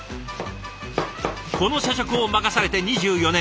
この社食を任されて２４年。